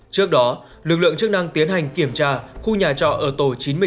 trước đó lực lượng chức năng tiến hành kiểm tra khu nhà trọ ở tổ chín mươi chín